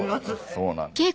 そうなんです。